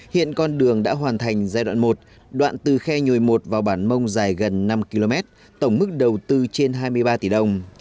hiện con đường đã hoàn thành giai đoạn một đoạn từ khe nhồi i vào bản mông dài gần năm km tổng mức đầu tư trên hai mươi ba tỷ đồng